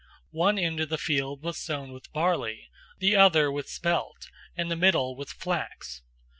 One end of the field was sown with barley, the other with spelt, and the middle with flax.